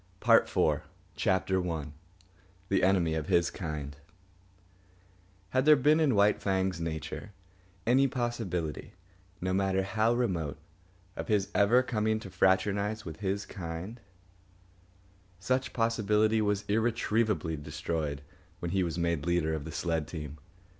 PART IV CHAPTER I THE ENEMY OF HIS KIND Had there been in White Fang's nature any possibility, no matter how remote, of his ever coming to fraternise with his kind, such possibility was irretrievably destroyed when he was made leader of the sled team.